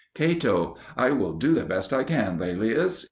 Cato. I will do the best I can, Laelius.